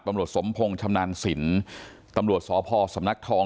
ตำรถสมพงศ์ชำนันสินตำรวจสตสตทอง